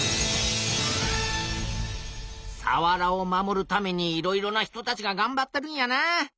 さわらを守るためにいろいろな人たちががんばってるんやなあ。